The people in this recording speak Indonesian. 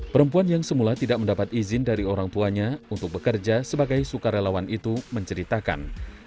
perempuan yang semula tidak mendapat izin dari orang tuanya untuk bekerja sebagai sukarelawan itu menceritakan